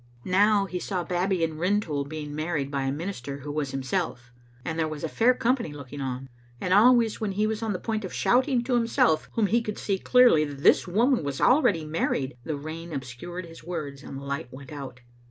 Now he saw Babbie and Rintoul being mar ried by a minister who was himself, and there was a fair company looking on, and always when he was on the point of shouting to himself, whom he could see clearly, that this woman was already married, the rain obscured his words and the light went out.